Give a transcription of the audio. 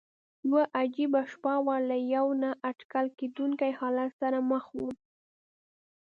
یوه عجیبه شپه وه، له یوه نا اټکل کېدونکي حالت سره مخ ووم.